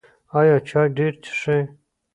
ایا چای ډیر څښئ؟